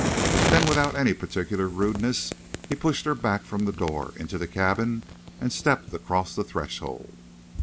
Then without any particular rudeness he pushed her back from the door, into the cabin, and stepped across the threshold.